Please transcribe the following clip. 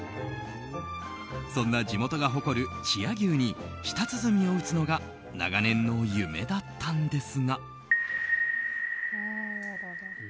そんな地元が誇る千屋牛に舌鼓を打つのが長年の夢だったんですが。